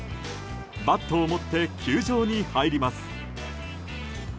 バットを持って球場に入ります。